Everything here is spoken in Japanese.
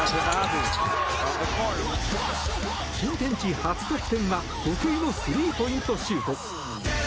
新天地初得点は得意のスリーポイントシュート！